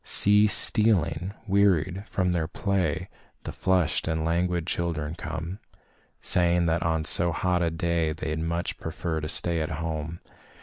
See stealing, wearied from their play, The flushed and languid children come, Saying that on so hot a day They'd much prefer to stay at home.